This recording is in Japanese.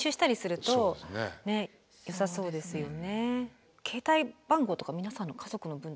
あそうですよね。